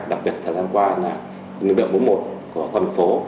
đặc biệt thời gian qua là lực lượng bốn mươi một của quân phố